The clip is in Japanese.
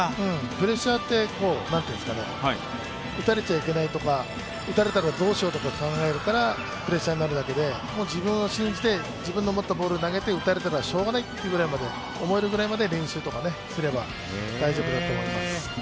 プレッシャーって、打たれちゃいけないとか、打たれたらどうしようと考えるからプレッシャーになるだけで自分を信じて、自分の思ったボールを投げて打たれたらしょうがないと思えるぐらいまで練習とかすれば大丈夫だと思います。